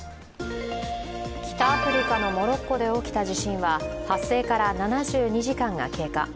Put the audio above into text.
北アフリカのモロッコで起きた地震は発生から７２時間が経過。